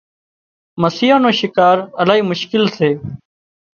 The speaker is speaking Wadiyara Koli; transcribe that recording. مسيان نوشڪار الاهي مشڪل سي